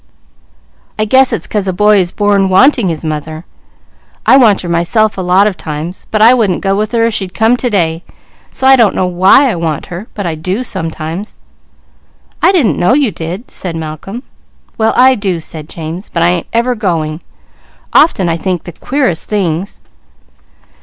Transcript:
"I guess it's 'cause a boy is born wanting his mother. I want her myself a lot of times, but I wouldn't go with her if she'd come today, so I don't know why I want her, but I do sometimes." "I didn't know you did," said Malcolm. "Well I do," said James, "but I ain't ever going. Often I think the queerest things!"